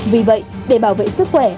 vì vậy để bảo vệ sức khỏe